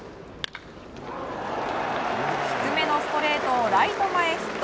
低めのストレートをライト前ヒット。